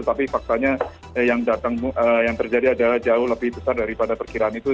tapi faktanya yang terjadi adalah jauh lebih besar daripada perkiraan itu